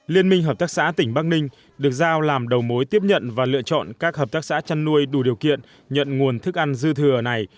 liên minh hợp tác xã tỉnh bắc ninh được giao làm đầu mối tiếp nhận và lựa chọn các hợp tác xã chăn nuôi đủ điều kiện nhận nguồn thức ăn dư thừa này